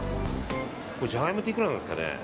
これジャガイモっていくらなんですかね。